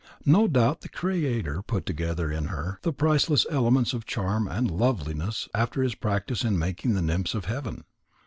No doubt the Creator put together in her the priceless elements of charm and loveliness after his practice in making the nymphs of heaven.